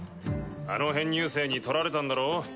あの編入生に取られたんだろ？